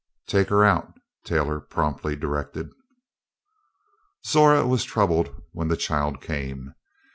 "Take her out," Taylor promptly directed. Zora was troubled when the child came.